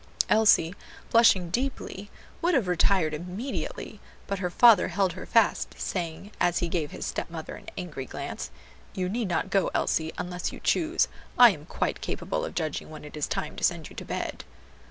Elsie, blushing deeply, would have retired immediately, but her father held her fast, saying, as he gave his stepmother an angry glance, "You need not go, Elsie, unless you choose; I am quite capable of judging when it is time to send you to bed."